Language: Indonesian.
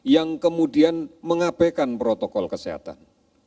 yang kemudian mengabaikan protokol kesehatan